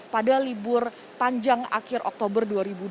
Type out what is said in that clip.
pada libur panjang akhir oktober